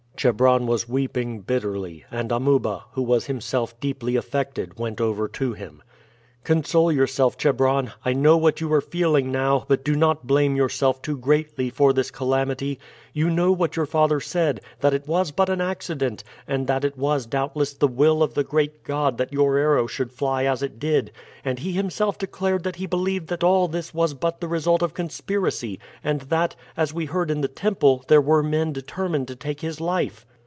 Chebron was weeping bitterly, and Amuba, who was himself deeply affected, went over to him. "Console yourself, Chebron. I know what you are feeling now, but do not blame yourself too greatly for this calamity. You know what your father said that it was but an accident, and that it was doubtless the will of the great God that your arrow should fly as it did; and he himself declared that he believed that all this was but the result of conspiracy, and that, as we heard in the temple, there were men determined to take his life."